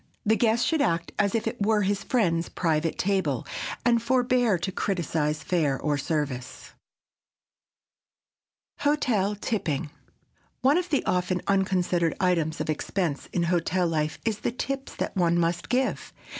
The guest should act as if it were his friend's private table, and forbear to criticize fare or service. [Sidenote: HOTEL TIPPING] One of the often unconsidered items of expense in hotel life is the "tips" that one must give.